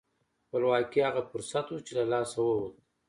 خپلواکي هغه فرصت و چې له لاسه ووت.